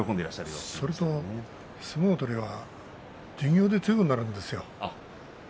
それと相撲取りは巡業で強くなるんですよ。